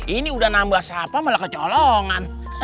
ini udah nambah siapa malah kecolongan